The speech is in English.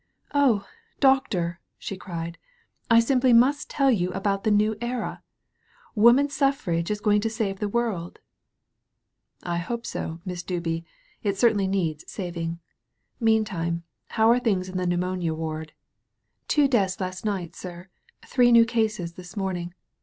"Oh, Doctor," she cried, "I simply must tell you about the New Era. Woman Suffrage is going to save the world." "I hope so. Miss Dooby, it certainly needs sav ing. Meantime how are things in the pneumonia waid?" "Two deaths last night, sir, three new cases this morning.